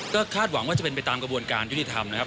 ก็คาดหวังว่าจะเป็นไปตามกระบวนการยุติธรรมนะครับ